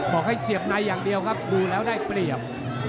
บอกให้เสียบในอย่างเดียวครับดูแล้วได้เปรียบ